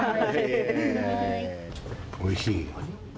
おいしい？